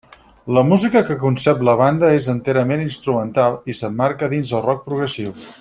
La música que concep la banda és enterament instrumental, i s'emmarca dins del rock progressiu.